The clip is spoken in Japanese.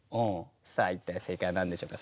さあ一体正解は何でしょうか。